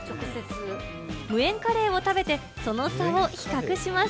無塩カレーを食べて、その差を比較します。